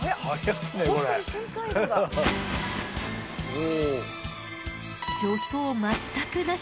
お。